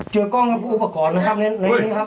เจือกล้องฟุกอุปกรณ์นะครับ